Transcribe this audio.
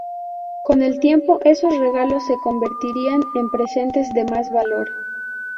Con el tiempo esos regalos se convertirían en presentes de más valor.